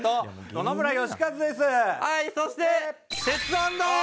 はいそして。